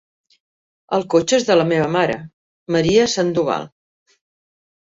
El cotxe és de la meva mare, Maria Sandoval.